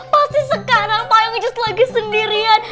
pasti sekarang payung incus lagi sendirian